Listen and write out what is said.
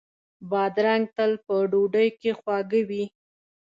بادرنګ تل په ډوډۍ کې خواږه وي.